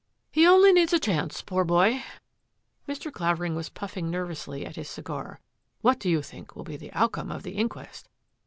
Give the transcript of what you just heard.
" He only needs a chance, poor boy !" Mr. Clavering was pui&ng nervously at his cigar. " What do you think will be the outcome of the inquest?